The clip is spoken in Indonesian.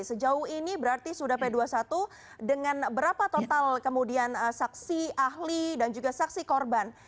sejauh ini berarti sudah p dua puluh satu dengan berapa total kemudian saksi ahli dan juga saksi korban